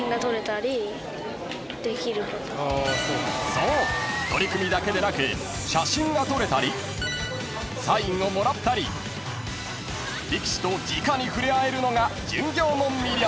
［そう取組だけでなく写真が撮れたりサインをもらったり力士とじかに触れ合えるのが巡業の魅力］